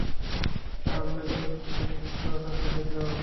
আহমেদ, জলটি সোয়াকার্পেটে যাও।